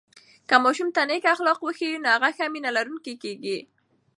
که ماشوم ته نیک اخلاق وښیو، نو هغه ښه مینه لرونکی کېږي.